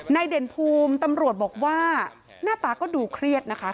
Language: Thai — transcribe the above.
เด่นภูมิตำรวจบอกว่าหน้าตาก็ดูเครียดนะคะ